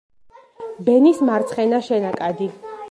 ბენის მარცხენა შენაკადი.